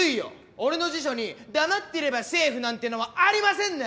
俺の辞書に黙ってればセーフなんてのはありませんね！